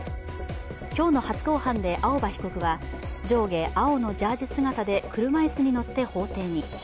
今日の初公判で青葉被告は、上下青のジャージ姿で車椅子に乗って法廷に。